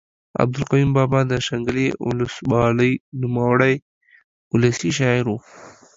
عبدالقیوم بابا د شانګلې اولس والۍ نوموړے اولسي شاعر ؤ